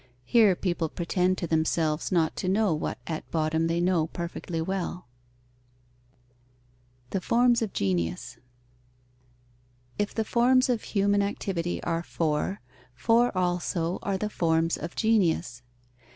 Here people pretend to themselves not to know what at bottom they know perfectly well. The forms of genius. If the forms of human activity are four, four also are the forms of genius.